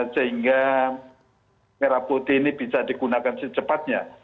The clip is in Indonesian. sehingga merah putih ini bisa digunakan secepatnya